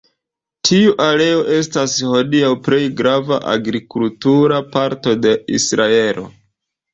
Tiu areo estas hodiaŭ plej grava agrikultura parto de Israelo.